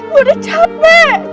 gue udah capek